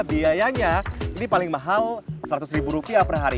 biayanya ini paling mahal rp seratus per hari